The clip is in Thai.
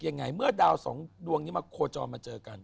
ยังไงเมื่อดาวสองดวงนี้มาโคจรมาเจอกัน